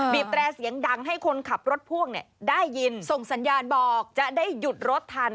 แตรเสียงดังให้คนขับรถพ่วงได้ยินส่งสัญญาณบอกจะได้หยุดรถทัน